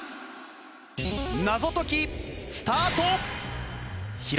謎解きスタート！